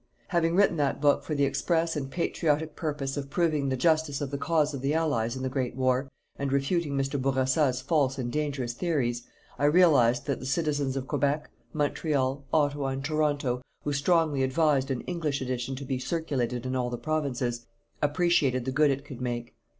Having written that book for the express and patriotic purpose of proving the justice of the cause of the Allies in the Great War, and refuting Mr. Bourassa's false and dangerous theories, I realized that the citizens of Quebec, Montreal, Ottawa and Toronto, who strongly advised an English edition to be circulated in all the Provinces, appreciated the good it could make.